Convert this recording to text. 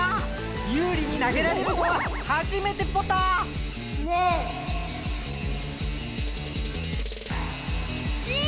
ユウリになげられるのははじめてポタ！ねん！